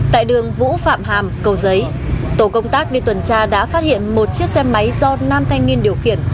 tại đường vũ phạm hàm cầu giấy tổ công tác đi tuần tra đã phát hiện một chiếc xe máy do nam thanh niên điều khiển